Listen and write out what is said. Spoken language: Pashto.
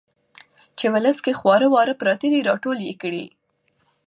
چې ولس کې خواره واره پراته دي را ټول يې کړي.